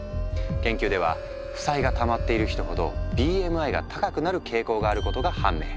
研究では負債がたまっている人ほどＢＭＩが高くなる傾向があることが判明。